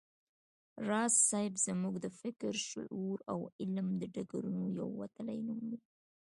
راز صيب زموږ د فکر، شعور او علم د ډګرونو یو وتلی نوم و